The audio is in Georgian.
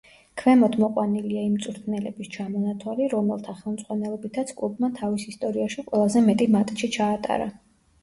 ქვემოთ მოყვანილია იმ მწვრთნელების ჩამონათვალი, რომელთა ხელმძღვანელობითაც კლუბმა თავის ისტორიაში ყველაზე მეტი მატჩი ჩაატარა.